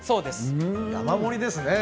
山盛りですね。